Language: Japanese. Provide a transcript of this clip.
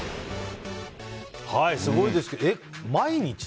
すごいですけど。